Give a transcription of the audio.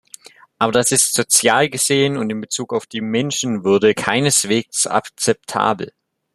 Aber das ist sozial gesehen und in Bezug auf die Menschenwürde keineswegs akzeptabel.